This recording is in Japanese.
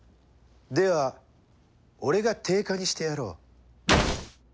では俺が定価にしてやろう。